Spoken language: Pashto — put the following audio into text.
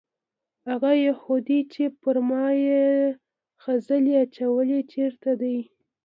هغه یهودي چې پر ما یې خځلې اچولې چېرته دی؟